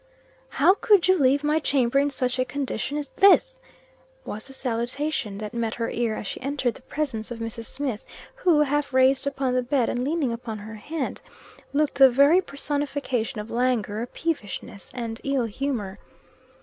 "How could you leave my chamber in such a condition as this?" was the salutation that met her ear, as she entered the presence of Mrs. Smith, who, half raised upon the bed, and leaning upon her hand, looked the very personification of languor, peevishness, and ill humor.